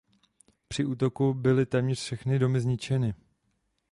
Při útoku byly téměř všechny domy zničeny.